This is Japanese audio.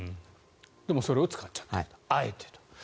でもそれを使っちゃったあえてと。